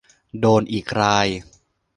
โดนอีกราย !